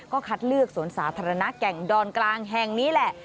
ก็คัดเลือกสวนสาธารณะแก่งดอนกลางแห่งนี้แหละ